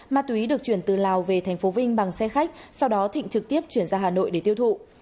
ma túy được chuyển từ lào về tp vinh bằng xe khách sau đó thịnh trực tiếp chuyển ra hà nội để tiêu thụ